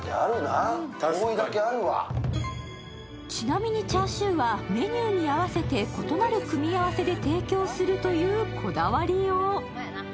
ちなみにチャーシューはメニューに合わせて異なる組み合わせで提供するというこだわりよう。